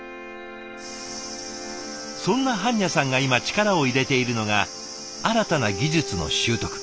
そんな盤若さんが今力を入れているのが新たな技術の習得。